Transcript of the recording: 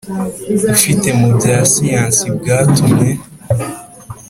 Ufite mu bya siyansi bwatumye